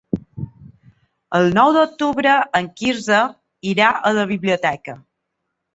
El nou d'octubre en Quirze irà a la biblioteca.